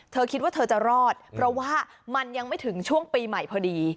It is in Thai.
เธอคิดว่าเธอจะรอดเพราะว่ามันยังไม่ถึงช่วงปีใหม่พอดี